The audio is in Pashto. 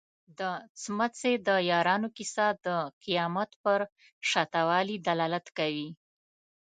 د څمڅې د یارانو کيسه د قيامت پر شته والي دلالت کوي.